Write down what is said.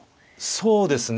そうですね。